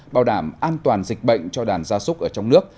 bảo đảm an toàn dịch bệnh cho đàn gia súc ở trong nước